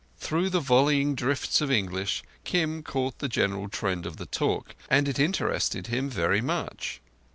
Through the volleying drifts of English, Kim caught the general trend of the talk, and it interested him very much.